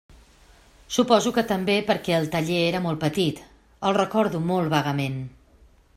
Suposo que també perquè el taller era molt petit —el recordo molt vagament.